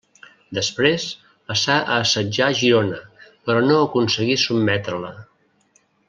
Després passà a assetjar Girona, però no aconseguí sotmetre-la.